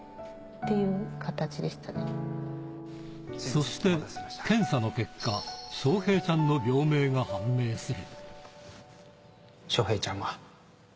そして検査の結果、翔平ちゃんの病名が判明する。